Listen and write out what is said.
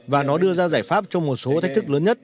và nó đưa ra giải pháp cho một số thách thức lớn nhất